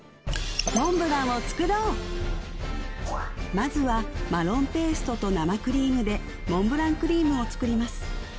まずはマロンペーストと生クリームでモンブランクリームを作ります